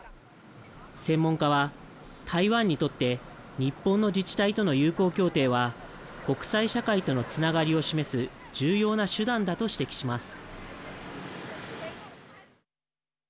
専門家は台湾にとって日本の自治体との友好協定は国際社会とのつながりを示す重要な手段だと指摘します。